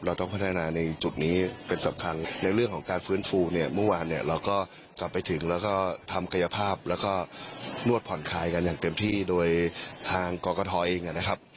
เราต้องพัฒนาในจุดนี้เป็นสำคัญในเรื่องของการฟื้นฟูเนี่ยเมื่อวานเนี่ยเราก็กลับไปถึงแล้วก็ทำกายภาพแล้วก็นวดผ่อนคลายกันอย่างเต็มที่โดยทางกรกฐเองนะครับ